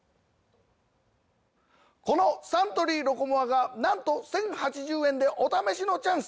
このサントリー「ロコモア」がなんと１，０８０円でお試しのチャンス！